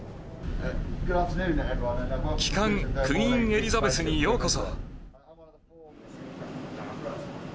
旗艦クイーン・エリザベスにようこそ。